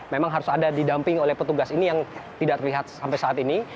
memang harus ada didamping oleh petugas ini yang tidak terlihat sampai saat ini